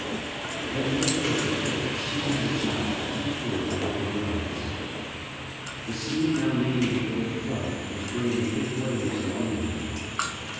But the echo of the cliff soon had its mouth too full to hold words. The sea now nearly at full flood was bringing big waves along with it.